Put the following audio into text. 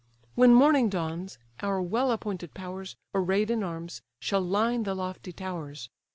When morning dawns, our well appointed powers, Array'd in arms, shall line the lofty towers.